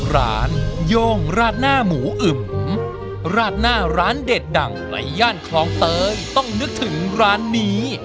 โย่งราดหน้าหมูอึมราดหน้าร้านเด็ดดังในย่านคลองเตยต้องนึกถึงร้านนี้